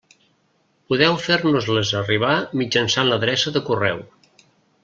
Podeu fer-nos-les arribar mitjançant l'adreça de correu.